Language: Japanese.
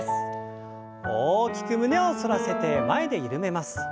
大きく胸を反らせて前で緩めます。